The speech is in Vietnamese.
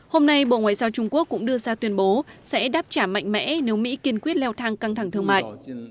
hôm nay bộ ngoại giao trung quốc cũng đưa ra tuyên bố sẽ đáp trả mạnh mẽ nếu mỹ kiên quyết leo thang căng thẳng thương mại